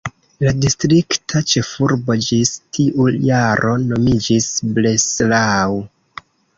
La distrikta ĉefurbo ĝis tiu jaro nomiĝis "Breslau".